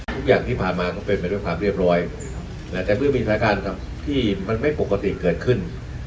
ทุกอย่างที่ผ่านมาก็เป็นไปด้วยความเรียบร้อยแต่เมื่อมีสถานการณ์ที่มันไม่ปกติเกิดขึ้น